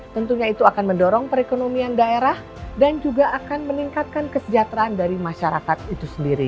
tentunya itu akan mendorong perekonomian daerah dan juga akan meningkatkan kesejahteraan dari masyarakat itu sendiri